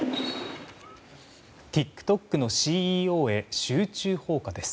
ＴｉｋＴｏｋのＣＥＯへ集中砲火です。